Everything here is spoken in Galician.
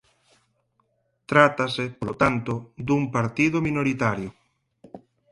Trátase polo tanto dun partido minoritario.